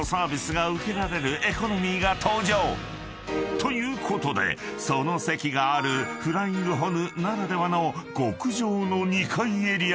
［ということでその席があるフライングホヌならではの極上の２階エリアへ］